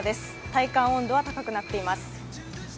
体感温度は高くなっています。